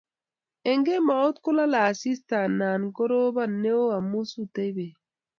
Eng kemeut kolalei asista anan ko korobon neo amu sutei Bek